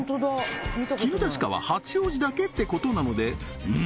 きぬた歯科は八王子だけってことなのでうん